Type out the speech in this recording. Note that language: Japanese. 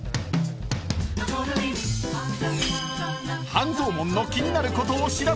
［半蔵門の気になることを調べる］